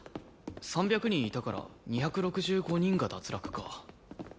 ３００人いたから２６５人が脱落か。